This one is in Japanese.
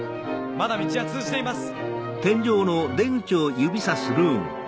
まだ道は通じています！